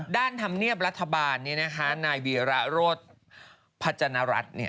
ด้านทำเงียบรัฐบาลนี่นายวิระรดิ์พัจจนรัฐ